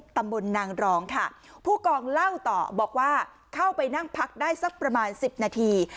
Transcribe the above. ตำบลนางรองค่ะผู้กองเล่าต่อบอกว่าเข้าไปนั่งพักได้สักประมาณสิบนาที